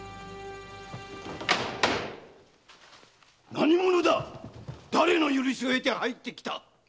・何者だっ⁉誰の許しを得て入ってきた？